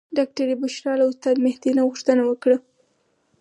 ډاکټرې بشرا له استاد مهدي نه غوښتنه وکړه.